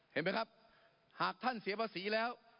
เห็นไหมครับหากท่านเสียภาษีแล้ว